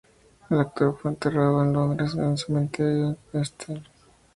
El actor fue enterrado en el Cementerio de East Sheen, Londres.